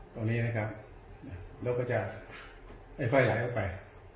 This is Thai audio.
ตรงนี้นะครับแล้วก็จะค่อยไหลออกไป